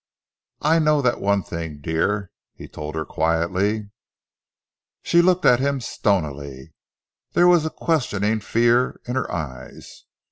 "I know that one thing, dear," he told her quietly. She looked at him stonily. There was a questioning fear in her eyes.